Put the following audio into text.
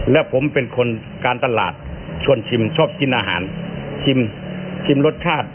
และผมเป็นคนการตลาดชวนชิมชอบกินอาหารชิมชิมรสชาติ